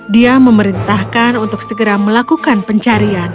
dia memerintahkan untuk segera melakukan pencarian